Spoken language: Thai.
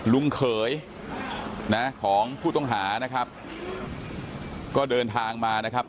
ลุงเขยนะของผู้ต้องหานะครับก็เดินทางมานะครับ